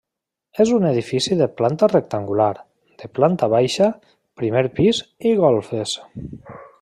És un edifici de planta rectangular, de planta baixa, primer pis i golfes.